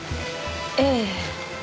ええ。